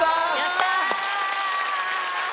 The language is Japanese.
やったー！